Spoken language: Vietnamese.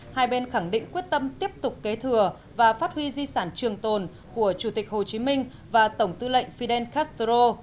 hai bên khẳng định quyết tâm tiếp tục kế thừa và phát huy di sản trường tồn của chủ tịch hồ chí minh và tổng tư lệnh fidel castro